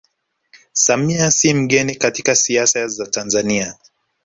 Samia si mgeni katika siasa za Tanzania